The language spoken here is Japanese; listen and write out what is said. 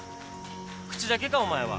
口だけかお前は？